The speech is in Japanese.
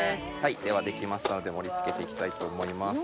では出来ましたので盛り付けて行きたいと思います。